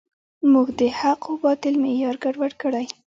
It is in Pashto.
موږ د حق و باطل معیار ګډوډ کړی.